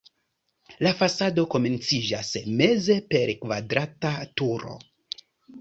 La fasado komenciĝas meze per kvadrata turo.